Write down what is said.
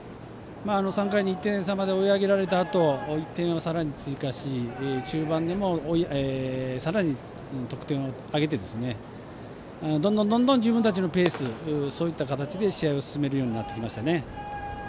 ３回に１点差まで追い上げられたあと１点をさらに追加し中盤でもさらに得点を挙げてどんどん自分たちのペースで試合を進めるようになってきましたね。